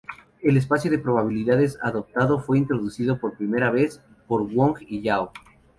El espacio de probabilidades adoptado fue introducido por primera vez por Wong y Yao.